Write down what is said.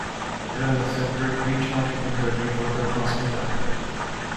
It has a separate, rechargeable battery for the transmitter.